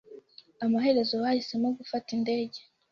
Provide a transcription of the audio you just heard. Amaherezo, bahisemo gufata indege.